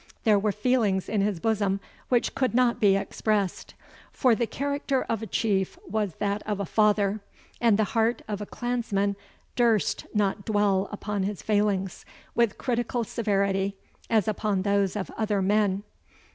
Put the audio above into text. There were feelings in his bosom which could not be expressed; for the character of a Chief was that of a father, and the heart of a clansman durst not dwell upon his failings with critical severity as upon those of other men.